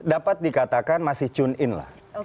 dapat dikatakan masih tune in lah